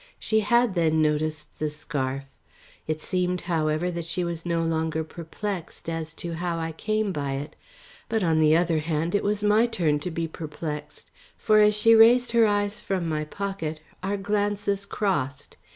She had, then, noticed the scarf. It seemed, however, that she was no longer perplexed as to how I came by it. But, on the other hand, it was my turn to be perplexed. For, as she raised her eyes from my pocket, our glances crossed.